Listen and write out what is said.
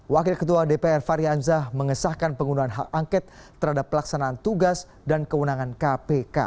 wakil ketua dpr faryamzah mengesahkan penggunaan hak angket terhadap pelaksanaan tugas dan keunangan kpk